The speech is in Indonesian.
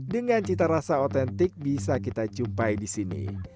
dengan cita rasa otentik bisa kita cumpai